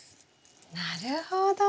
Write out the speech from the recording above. なるほど。